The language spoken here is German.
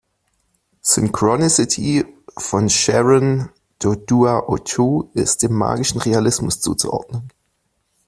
"Synchronicity" von Sharon Dodua Otoo ist dem magischen Realismus zuzuordnen.